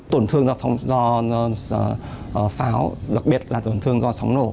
tổn thương do pháo đặc biệt là tổn thương do sóng nổ